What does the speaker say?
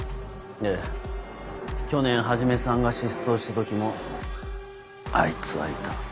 ええ去年始さんが失踪した時もあいつはいた。